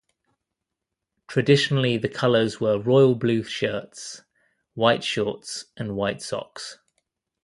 Traditionally the colours were Royal blue shirts, White shorts and White socks.